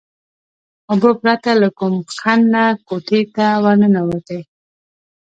اوبه پرته له کوم خنډ نه کوټې ته ورننوتې.